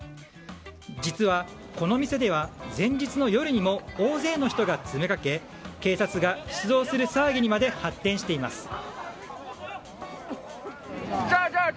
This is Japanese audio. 実はこの店では前日の夜にも大勢の人が詰めかけ警察が出動する騒ぎにまで発展しています。